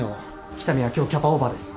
北見は今日キャパオーバーです。